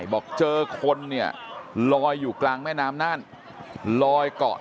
อุ้มขึ้นมาจากแม่น้ำนาฬนะฮะ